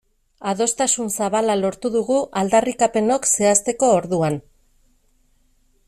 Adostasun zabala lortu dugu aldarrikapenok zehazteko orduan.